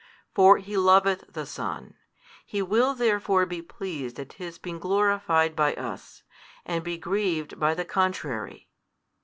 For He loveth the Son. He will therefore be pleased at His being glorified by us, and be grieved by the contrary.